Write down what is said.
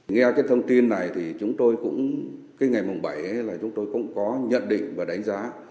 nghe cái thông tin này thì chúng tôi cũng cái ngày mùng bảy là chúng tôi cũng có nhận định và đánh giá